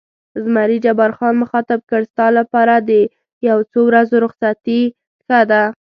زمري جبار خان مخاطب کړ: ستا لپاره د یو څو ورځو رخصتي ښه ده.